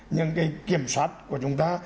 những cái kiểm soát của chúng ta